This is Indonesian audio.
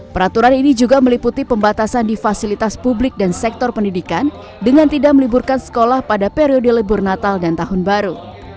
peraturan ini juga meliputi pembatasan di fasilitas publik dan sektor pendidikan dengan tidak meliburkan sekolah pada periode libur natal dan tahun baru